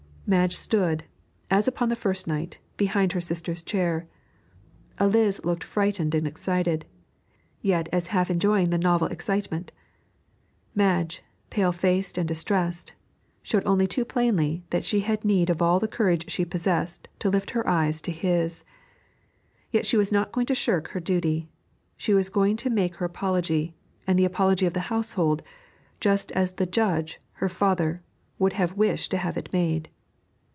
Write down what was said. Madge stood, as upon the first night, behind her sister's chair. Eliz looked frightened and excited, yet as half enjoying the novel excitement. Madge, pale faced and distressed, showed only too plainly that she had need of all the courage she possessed to lift her eyes to his. Yet she was not going to shirk her duty; she was going to make her apology, and the apology of the household, just as the judge, her father, would have wished to have it made.